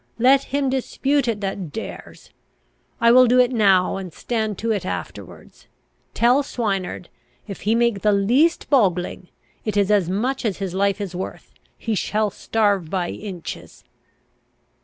Let him dispute it that dares! I will do it now and stand to it afterwards. Tell Swineard, if he make the least boggling, it is as much as his life is worth; he shall starve by inches."